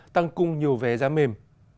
tăng cung nhiều vé giá mềm